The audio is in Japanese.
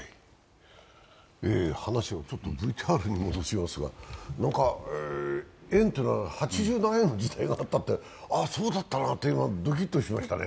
話をＶＴＲに戻しますが円というのは八十何円という時代があったと、ああ、そうだったなとドキッとしましたね。